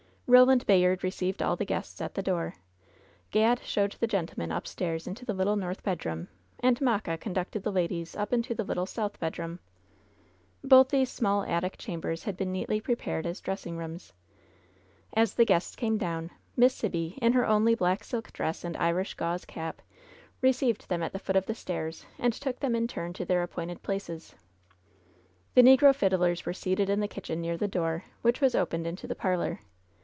Roland Bayard received all the guests at the door. Gad showed the gentlemen upstairs into the little north bedroom, and Mocka conducted the ladies up into the little south bedroom. Both these small attic chambers had been neatly pre pared as dressing rooms. As the guests came down, Miss Sibby, in hei* only black silk dress and Irish gauze cap, received them at the foot of the stairs, and took them in turn to their appointed places. The negro fiddlers were seated in the kitchen near the door, which was opened into the parlor.